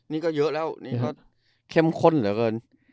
นี่ก็เยอะแล้วนี่ก็เข้มข้นเหลือเกิน